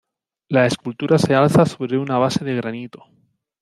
La escultura se alza sobre una base de granito.